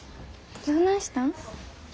どないしたん？